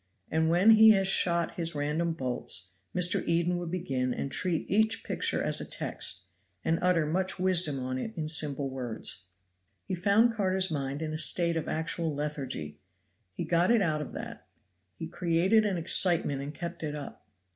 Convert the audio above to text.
And when he had shot his random bolts, Mr. Eden would begin and treat each picture as a text, and utter much wisdom on it in simple words. He found Carter's mind in a state of actual lethargy. He got it out of that; he created an excitement and kept it up.